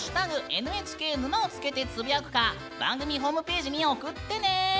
「＃ＮＨＫ沼」をつけてつぶやくか番組ホームページに送ってね！